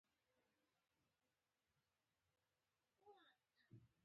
آیا چهاربیتې د پښتو شعر یو خوندور ډول نه دی؟